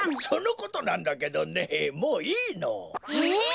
そのことなんだけどねもういいの。え？